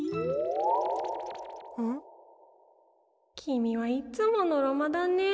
きみはいつものろまだね。